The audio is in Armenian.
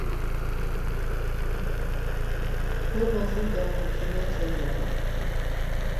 Հոր մասին տեղեկություններ չեն հրապարակվել։